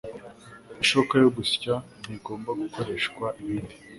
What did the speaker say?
Ishoka yo gusya ntigomba gukoreshwa ibindi